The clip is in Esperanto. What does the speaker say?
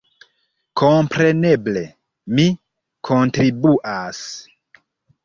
Kompreneble mi kontribuas.